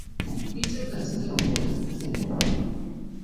Mito katika dura ya maji duniani